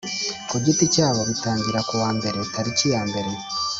ku giti cyabo bitangira kuwa mbere tariki ya mbere